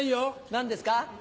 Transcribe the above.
何ですか？